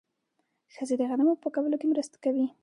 ښځې د غنمو په پاکولو کې مرسته کوي.